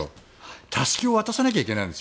たすきを渡さないといけないんです。